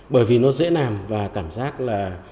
bởi vì nó dễ nàm và cảm giác là